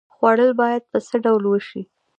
خوړل باید په څه ډول وشي؟